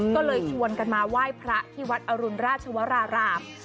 ก็เลยชวนกันมาไหว้พระที่วัดอรุณราชวราราม